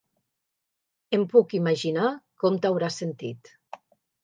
Em puc imaginar com t'hauràs sentit.